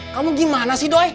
kamu gimana sih doy